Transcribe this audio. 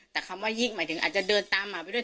แต่คำว่ายิ่งหมายถึงอาจจะเดินตามหมาไปด้วย